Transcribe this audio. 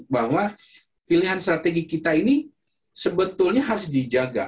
bahwa pilihan strategi kita ini sebetulnya harus dijaga